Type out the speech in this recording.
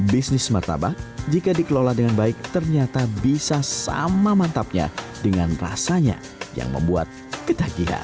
bisnis martabak jika dikelola dengan baik ternyata bisa sama mantapnya dengan rasanya yang membuat ketagihan